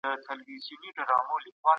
کټ او بستره باید وخت په وخت لمر ته شي.